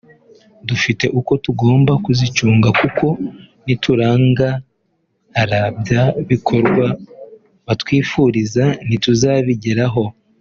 dufite uko tugomba kuzicunga kuko niturangara bya bikorwa batwifuriza ntituzabigeraho